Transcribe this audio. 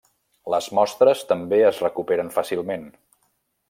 Les mostres també es recuperen fàcilment.